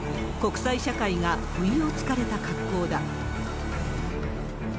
国際社会が不意をつかれた格好だ。